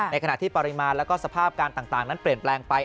ในขณะที่ปริมาณและสภาพการต่างนั้นเปลี่ยนแปลงไป